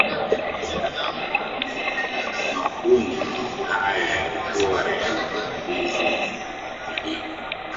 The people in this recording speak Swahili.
makundi hayo yalikuwa ya kikabila na kidini